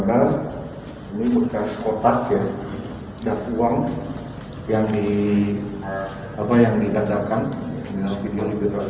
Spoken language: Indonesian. kemudian ini jenglotnya